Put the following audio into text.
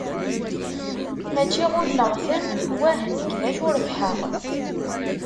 Mačči ɣulleɣ-ten, wah nekk d acu rebḥeɣ?